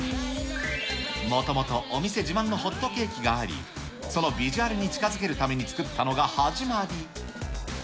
もともとお店自慢のホットケーキがあり、そのビジュアルに近づけるために作ったのが始まり。